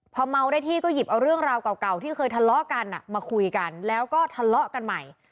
พอเมาได้ที่ก็หยิบเอาเรื่องราวเก่าที่เคยทะเลาะกันมาคุยกันแล้วก็ทะเลาะกันใหม่